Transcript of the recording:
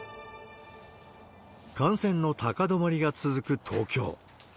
感染の高止まりが続く東京。